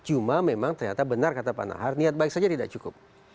cuma memang ternyata benar kata pak nahar niat baik saja tidak cukup